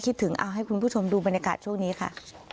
ถึงเอาให้คุณผู้ชมดูบรรยากาศช่วงนี้ค่ะ